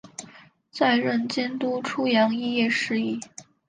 再任监督出洋肄业事宜。